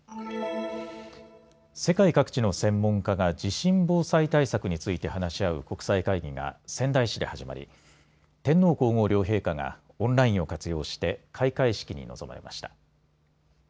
世界各地の専門家が地震防災対策について話し合う国際会議が仙台市で始まり天皇皇后両陛下がオンラインを活用して開会式に臨まれました。